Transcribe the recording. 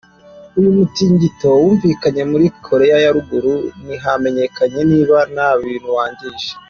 Uyu mutingito wumvikanye muri Koreya ya Ruguru ntihamenyekanye niba ntabintu wangije.